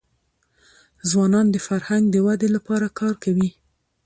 ځوانان د فرهنګ د ودې لپاره کار کوي.